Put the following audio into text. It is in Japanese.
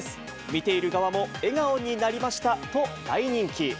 見ている側も笑顔になりましたと、大人気。